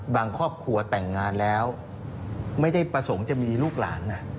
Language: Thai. ครอบครัวแต่งงานแล้วไม่ได้ประสงค์จะมีลูกหลาน